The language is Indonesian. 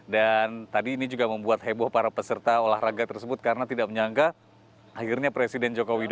dan tadi ini juga membuat heboh para peserta olahraga tersebut karena tidak menyangka akhirnya presiden jokowi dodo